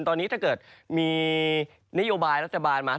ตอนนี้ถ้าเกิดมีนโยบายรัฐบาลมา